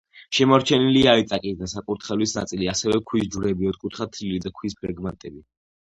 შემორჩენილია იატაკის და საკურთხევლის ნაწილი, ასევე ქვის ჯვრები, ოთკუთხა თლილი ქვის ფრაგმენტები.